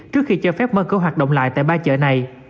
trước khi cho phép mở cửa hoạt động lại tại ba chợ này